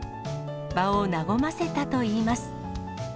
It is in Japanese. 場を和ませたといいます。